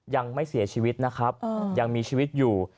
ยังไม่เสียชีวิตนะครับยังมีชีวิตอยู่